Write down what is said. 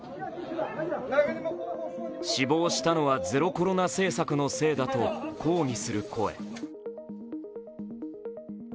死亡したのはゼロコロナ政策のせいだと抗議する声。